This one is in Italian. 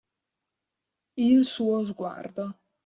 Il suo sguardo.